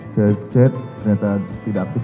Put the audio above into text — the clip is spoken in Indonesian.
saya chat ternyata tidak piece